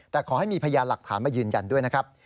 แต่ขอให้มีพยานหลักฐานมายืนยันด้วยนะครับ